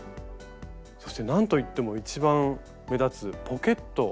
そしてなんと言っても一番目立つポケット。